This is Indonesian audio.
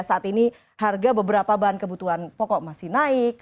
saat ini harga beberapa bahan kebutuhan pokok masih naik